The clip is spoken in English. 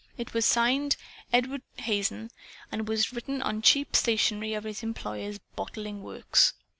It was signed "Edw'd Hazen," and it was written on the cheap stationery of his employer's bottling works.